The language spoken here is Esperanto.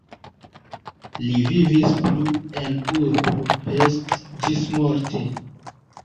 Li vivis plu en urbo Pest ĝismorte.